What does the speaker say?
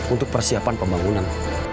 untuk persiapan pembangunan